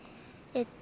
えっと